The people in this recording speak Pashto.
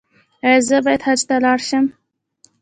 ایا زه باید حج ته لاړ شم؟